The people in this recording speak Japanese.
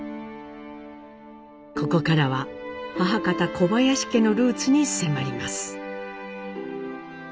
ここからは母方小林家のルーツに迫ります。